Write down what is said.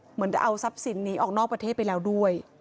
เหมือนจะเอาทรัพย์สินนี้ออกนอกประเทศไปแล้วด้วย